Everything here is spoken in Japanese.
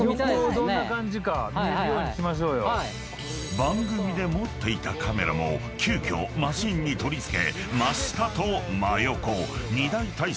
［番組で持っていたカメラも急きょマシンに取り付け］